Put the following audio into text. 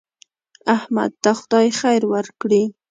احمد ته خدای خیر ورکړي.